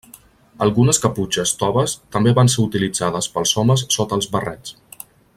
Algunes caputxes toves també van ser utilitzades pels homes sota els barrets.